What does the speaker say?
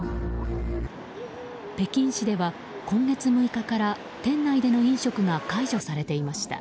北京市では今月６日から店内での飲食が解除されていました。